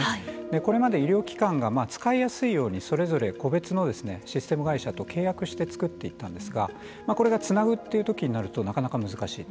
これまで医療機関が使いやすいようにそれぞれ個別のシステム会社と契約して作っていったんですがこれがつなぐというときになるとなかなか難しいと。